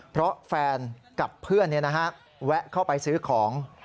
เพราะแฟนกับเพื่อนแวะเข้าไปซื้อของ